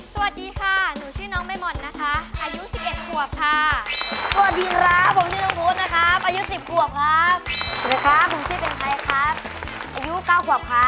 สวัสดีคะหนูชื่อน้องปั๊ชอายุสิบกว่าค่ะ